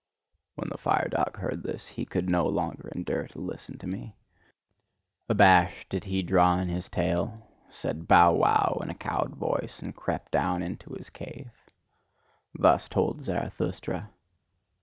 When the fire dog heard this, he could no longer endure to listen to me. Abashed did he draw in his tail, said "bow wow!" in a cowed voice, and crept down into his cave. Thus told Zarathustra.